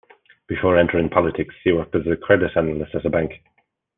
Before entering politics, he worked as a credit analyst at a bank.